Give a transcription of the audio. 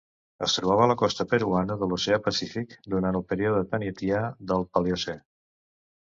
Es trobava a la costa peruana de l'oceà Pacífic durant el període Thanetià del Paleocè.